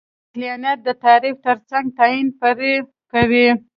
د عقلانیت د تعریف ترڅنګ تعین پرې کوي.